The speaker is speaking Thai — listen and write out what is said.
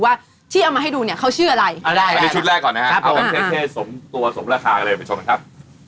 เพราะว่าจะดูนึกละเราปลาดเขาให้ไม่เจ็บฮะคลมใช่ไหมแค่หน้า